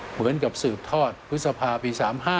เหมือนกับสืบทอดพฤษภาปี๓๕